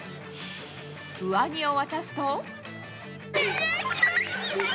上着を渡すと。